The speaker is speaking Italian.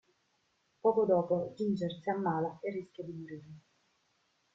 Poco dopo, Ginger si ammala e rischia di morire.